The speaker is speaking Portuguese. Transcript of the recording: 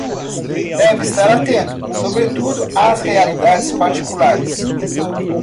deve estar atento, sobretudo, às realidades particulares